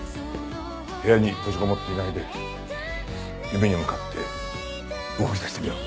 部屋に閉じこもっていないで夢に向かって動き出してみろ。